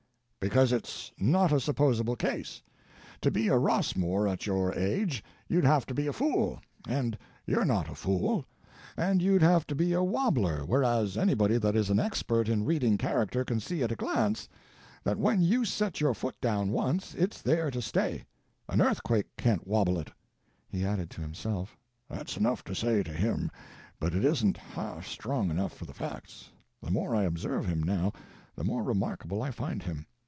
"Because it's not a supposable case. To be a Rossmore at your age, you'd have to be a fool, and you're not a fool. And you'd have to be a Wobbler, whereas anybody that is an expert in reading character can see at a glance that when you set your foot down once, it's there to stay; and earthquake can't wobble it." He added to himself, "That's enough to say to him, but it isn't half strong enough for the facts. The more I observe him, now, the more remarkable I find him.